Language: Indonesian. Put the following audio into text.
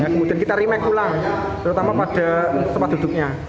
kemudian kita remake ulang terutama pada tempat duduknya